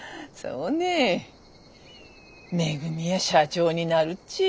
めぐみや社長になるっち。